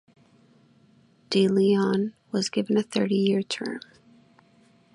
De Leon was given a thirty-year term.